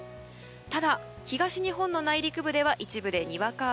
ただ、東日本の内陸部では一部でにわか雨。